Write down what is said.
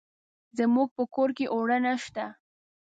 زموږ په کور کې اوړه نشته.